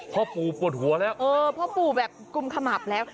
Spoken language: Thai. พ่อปู่ปวดหัวแล้วเออพ่อปู่แบบกุมขมับแล้ว